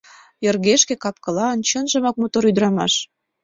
Йыргешке капкылан, чынжымак, мотор ӱдырамаш.